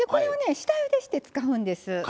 下ゆでして使うんです。